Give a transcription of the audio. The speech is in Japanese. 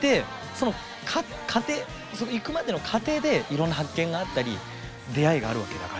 その行くまでの過程でいろんな発見があったり出会いがあるわけだから。